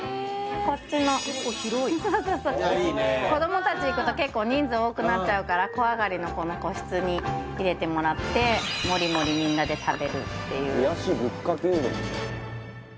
こっちの結構広いそうそうそう子ども達行くと結構人数多くなっちゃうから小上がりのこの個室に入れてもらってもりもりみんなで食べるっていう冷やしぶっかけうどん